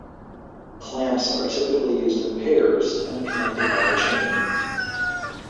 Clamps are typically used in pairs and connected by a chain.